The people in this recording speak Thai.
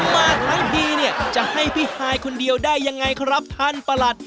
มาทั้งทีเนี่ยจะให้พี่ฮายคนเดียวได้ยังไงครับท่านประหลัด